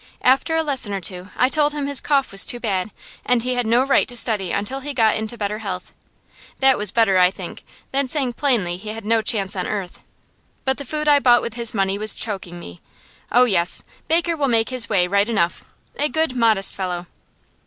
After a lesson or two I told him his cough was too bad, and he had no right to study until he got into better health; that was better, I think, than saying plainly he had no chance on earth. But the food I bought with his money was choking me. Oh yes, Baker will make his way right enough. A good, modest fellow.